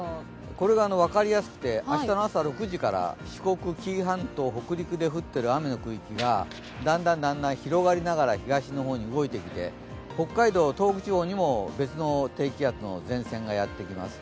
これが分かりやすくて、明日の朝６時から、四国、紀伊半島、北陸で降っている雨の区域がだんだん広がりながら、東の中に動いていって北海道、東北地方にも別の低気圧の前線がやってきます。